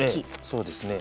そうですね。